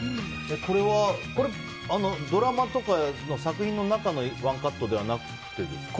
これは、ドラマとかの作品の中のワンカットではなくてですか？